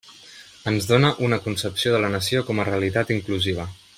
Ens dóna una concepció de la nació com a realitat inclusiva.